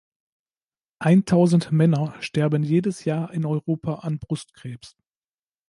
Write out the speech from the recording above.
Eintausend Männer sterben jedes Jahr in Europa an Brustkrebs.